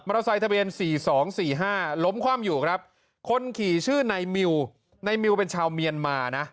เตอร์ไซค์ทะเบียน๔๒๔๕ล้มคว่ำอยู่ครับคนขี่ชื่อนายมิวในมิวเป็นชาวเมียนมานะ